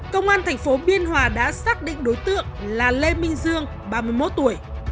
công an thành phố biên hòa đã xác định đối tượng là lê minh dương ba mươi một tuổi